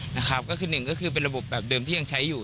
หนึ่งก็คือเป็นระบบแบบเดิมที่ยังใช้อยู่